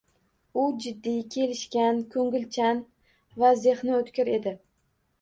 U jiddiy, kelishgan, ko`ngilchan va zehni o`tkir edi